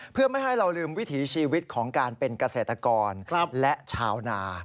เพื่อไม่ให้เราลืมวิถีชีวิตของการเป็นเกษตรกรและชาวนา